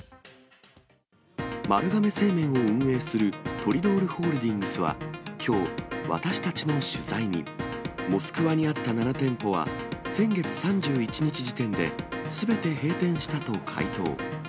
丸亀製麺を運営するトリドールホールディングスは、きょう、私たちの取材に、モスクワにあった７店舗は、先月３１日時点ですべて閉店したと回答。